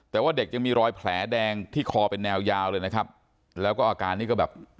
แต่ว่าเด็กยังมีรอยแผลแดงที่คอเป็นแนวยาวเลยนะครับแล้วก็อาการนี่ก็แบบ